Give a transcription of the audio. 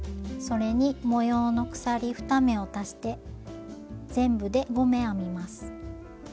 それに模様の鎖２目を足して全部で５目編みます。